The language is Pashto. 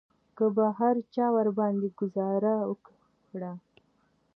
که به هر چا ورباندې ګوزار وکړ.